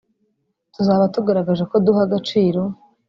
tuzaba tugaragaje ko duha agaciro